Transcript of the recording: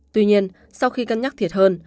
tuy nhiên sau khi cân nhắc thiệt hơn